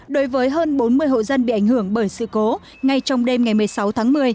đối với hơn bốn mươi hộ dân bị ảnh hưởng bởi sự cố ngay trong đêm ngày một mươi sáu tháng một mươi